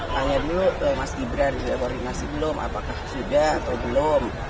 tanya dulu mas gibran sudah koordinasi belum apakah sudah atau belum